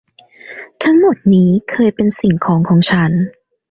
ทั้งหมดนี้เคยเป็นสิ่งของของฉัน